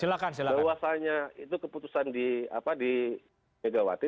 bahwasanya itu keputusan di megawati